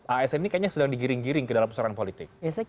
asn ini kayaknya sedang digiring giring ke dalam persoalan politik